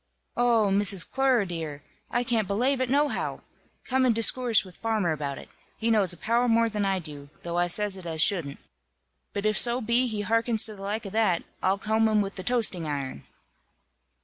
"Oh, Miss Clerer, dear, I can't belave it nohow! Come and discoorse with farmer about it. He knows a power more than I do, though I says it as shouldn't. But if so be he hearkens to the like of that, I'll comb him with the toasting iron."